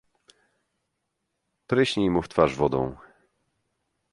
"Pryśnij mu w twarz wodą."